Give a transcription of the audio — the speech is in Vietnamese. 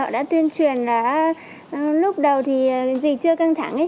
họ đã tuyên truyền là lúc đầu thì dịch chưa căng thẳng